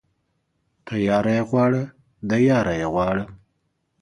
تياره يې غواړه ، د ياره يې غواړه.